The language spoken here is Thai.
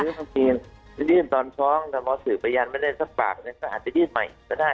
ยืนตอนช้องแต่มอสือประยันไม่ได้สักปากอาจจะยื่นใหม่ก็ได้